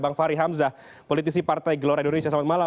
bang fahri zon politisi partai gelora indonesia